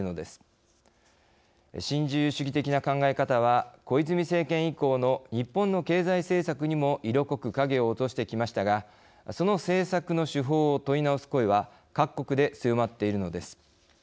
新自由主義的な考え方は小泉政権以降の日本の経済政策にも色濃く影を落としてきましたがその政策の手法を問い直す声は各国で強まっているのです。